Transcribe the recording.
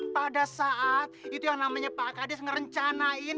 pada saat itu yang namanya pak kadis ngerencanain